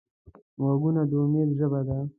غوږونه د امید ژبه ده